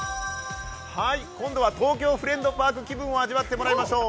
今度は「東京フレンドパーク」気分を味わってもらいましょう。